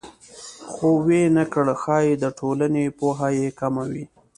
خو ویې نه کړ ښایي د ټولنې پوهه یې کمه وي